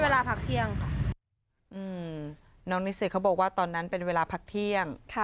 คือหลังจากที่เลิกเรียนกันแล้วก็มานั่งประมาณปีตรงนี้หรอตอนนั้นเป็นเวลาพักเที่ยงค่ะ